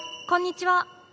こんにちは。